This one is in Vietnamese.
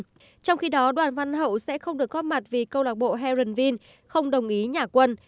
trong khi đó đoàn văn hậu sẽ không được góp mặt vì câu lạc bộ heronville không đồng ý nhả quân